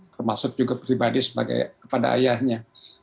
termasuk juga pribadi kepada ayahnya